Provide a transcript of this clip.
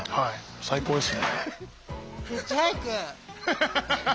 最高ですね。